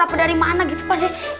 apa dari mana gitu pak deh